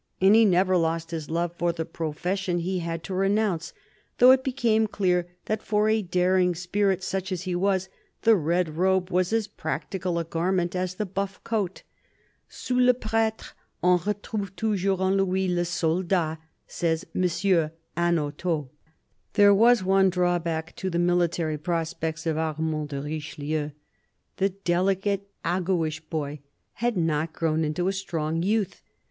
And he never lost his love for the profession he had to renounce, though it became clear that for a daring spirit such as his, the red robe was as practical a garment as the buff coat. " Sous le pretre, on retrouve toujours en lui le soldat," says M. Hanotaux. There was one drawback to the military prospects of Armand de Richelieu. The delicate, aguish boy had not grown into a strong youth.